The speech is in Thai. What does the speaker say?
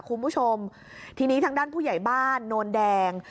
คุณผู้ชมทีนี้ทางด้านผู้ใหญ่บ้านโนนแดง